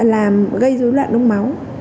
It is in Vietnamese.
làm gây dối loạn đông máu